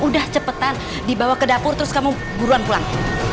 udah cepetan dibawa ke dapur terus kamu buruan pulang